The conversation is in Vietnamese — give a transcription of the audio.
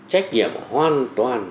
trách nhiệm hoàn toàn